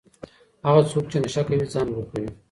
هغه څوک چې نشه کوي ځان ورکوي.